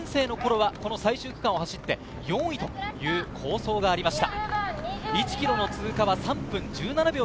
１年生の頃は最終区間を走って４位という好走がありました。